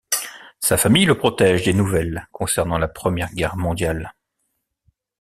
Sa famille le protège des nouvelles concernant la Première Guerre mondiale.